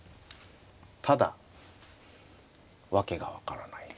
ただ訳が分からない。